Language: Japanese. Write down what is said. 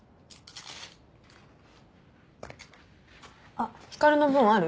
あっ光の分ある？